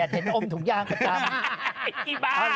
เห็นอมถุงยางมาตาม